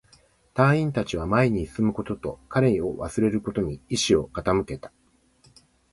隊員達は前に進むことと、彼を忘れることに意志を傾けた